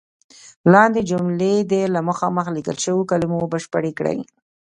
لاندې جملې دې له مخامخ لیکل شوو کلمو بشپړې کړئ.